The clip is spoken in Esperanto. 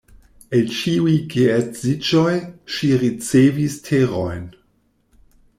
El ĉiuj geedziĝoj, ŝi ricevis terojn.